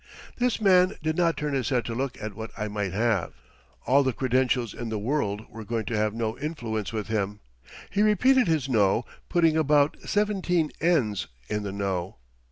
This man did not turn his head to look at what I might have. All the credentials in the world were going to have no influence with him. He repeated his No, putting about seventeen n's in the No!